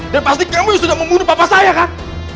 dan pasti kamu yang sudah membunuh papa saya kan